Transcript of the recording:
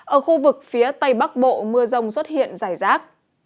ở khu vực phía tây bắc bộ mưa rông xuất hiện dài rác